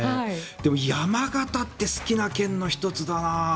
でも山形って好きな県の１つだな。